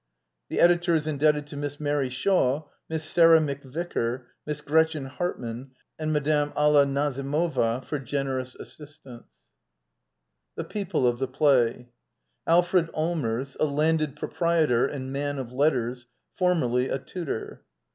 The editor is indebted to Miss Mary Shaw, Miss Sarah McVicker, Miss Gretchen Hartman and Mme. Alia Nazimova for generous assistance. XXX? Digitized by VjOOQIC THE PEOPLE OF THE PLAY Alfred Allmers, a landed proprietor and man of letters, formerly a tutor.